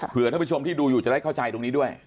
เพื่อท่านผู้ชมที่ดูอยู่จะได้เข้าใจตรงนี้ด้วย